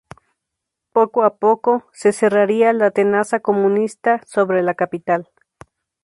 Poco a poco se cerraría la tenaza comunista sobre la capital.